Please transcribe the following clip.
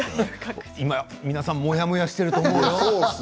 今、皆さんモヤモヤしていると思いますよ。